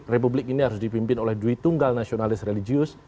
republik ini harus dipimpin oleh duit tunggal nasionalis religius